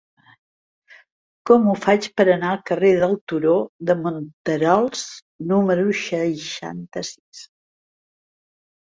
Com ho faig per anar al carrer del Turó de Monterols número seixanta-sis?